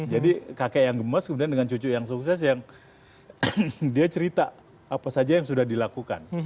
jadi kakek yang gemes kemudian dengan cucu yang sukses yang dia cerita apa saja yang sudah dilakukan